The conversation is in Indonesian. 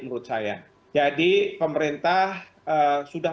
menurut saya jadi pemerintah sudah